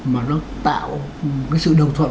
mà nó tạo cái sự đồng thuận